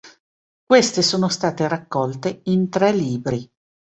Queste sono state raccolte in tre libri.